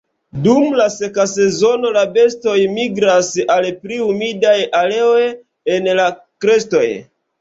Dum la seka sezono la bestoj migras al pli humidaj areoj en la krestoj.